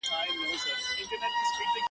خو زاړه کسان تل د هغې کيسه يادوي په درد,